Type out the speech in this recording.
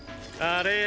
あれ？